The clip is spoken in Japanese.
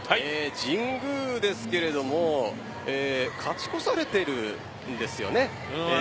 神宮ですが勝ち越されているんですよね。